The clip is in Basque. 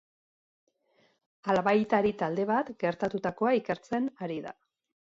Albaitari talde bat gertatutakoa ikertzen ari da.